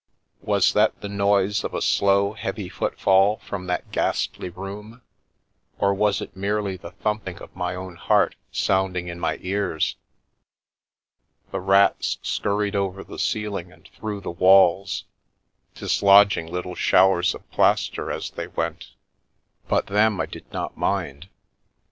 Was that the noise of a slow, heavy footfall from that ghastly room, or was it merely the thumping of my own heart sounding in my ears? The rats scurried over the ceiling and through the walls, dislodging little showers of plaster as they went, but then I did not mind.